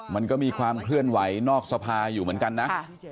มันก็มีความเคลื่อนไหวนอกสภาอยู่เหมือนกันนะ